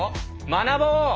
学ぼう！